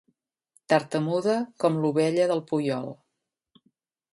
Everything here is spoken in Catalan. Tartamuda com l'ovella del Puyol.